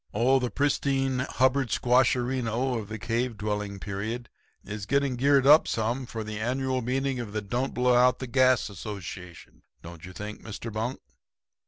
Oh, the pristine Hubbard squasherino of the cave dwelling period is getting geared up some for the annual meeting of the Don't Blow Out the Gas Association, don't you think, Mr. Bunk?'